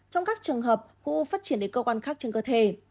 trong các trường hợp cụ phát triển đến cơ quan khác trên cơ thể